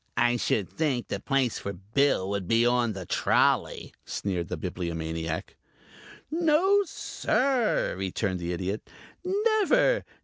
"I should think the place for Bill would be on the trolley," sneered the Bibliomaniac. "No, sir," returned the Idiot. "Never.